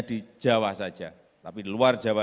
di jawa saja tapi di luar jawa